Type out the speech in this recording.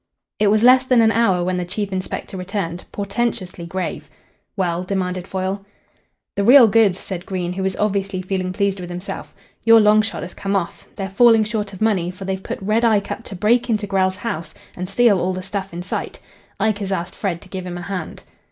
It was less than an hour when the chief inspector returned, portentously grave. "Well?" demanded Foyle. "The real goods," said Green, who was obviously feeling pleased with himself. "Your long shot has come off. They're falling short of money, for they've put Red Ike up to break into Grell's house and steal all the stuff in sight. Ike has asked Fred to give him a hand."